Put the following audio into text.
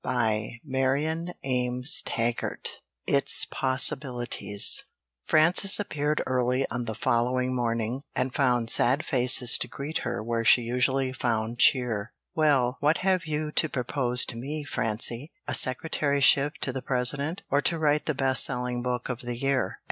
CHAPTER TEN ITS POSSIBILITIES Frances appeared early on the following morning, and found sad faces to greet her where she usually found cheer. "Well, what have you to propose to me, Francie, a secretaryship to the President, or to write the best selling book of the year?"